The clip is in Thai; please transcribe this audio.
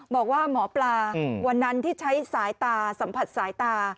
บอกว่าหมอปลาวันนั้นที่ใช้สายตาสัมผัสสายตา